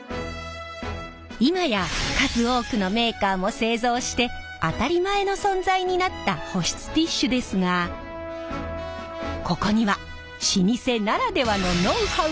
今や数多くのメーカーも製造して当たり前の存在になった保湿ティッシュですがここには老舗ならではのノウハウが詰まっているんです。